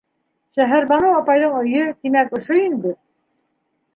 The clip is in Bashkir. Шәһәрбаныу апайҙың өйө, тимәк, ошо инде?